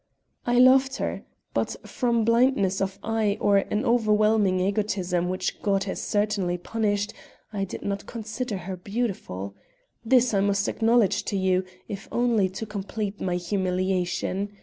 "I loved her, but, from blindness of eye or an overwhelming egotism which God has certainly punished, I did not consider her beautiful. This I must acknowledge to you, if only to complete my humiliation.